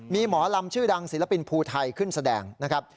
มีหมอลำชื่อดังศิลปินภูไทยขึ้นแสดงนะครับ